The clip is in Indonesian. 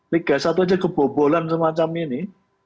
liga satu aja kebobolan semacam ini